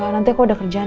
nanti aku udah kerjaan